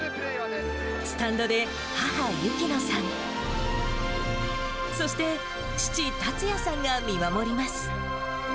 スタンドで母、雪野さん、そして、父、達也さんが見守ります。